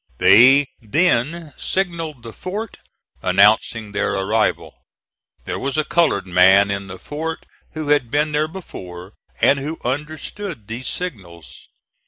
They then signalled the fort, announcing their arrival. There was a colored man in the fort who had been there before and who understood these signals.